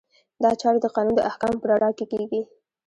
دا چارې د قانون د احکامو په رڼا کې کیږي.